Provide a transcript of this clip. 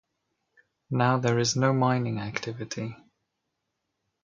Now there is no mining activity.